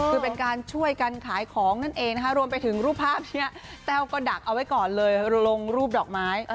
คือเป็นการช่วยกันขายของนั่นเองนะคะรวมไปถึงรูปภาพนี้แต้วก็ดักเอาไว้ก่อนเลยลงรูปดอกไม้